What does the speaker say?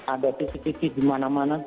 ada cctv dimana mana